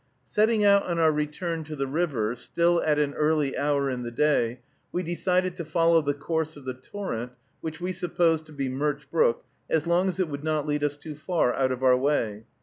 Setting out on our return to the river, still at an early hour in the day, we decided to follow the course of the torrent, which we supposed to be Murch Brook, as long as it would not lead us too far out of our way.